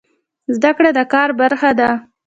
زده کړه د کار برخه ده